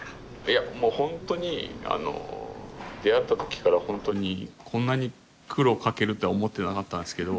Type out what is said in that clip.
もう本当に出会った時から本当にこんなに苦労をかけるって思ってなかったんですけど